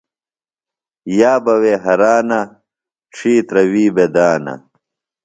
یابہ وے ہرانہ ، ڇِھیترہ وِی بےۡ دانہ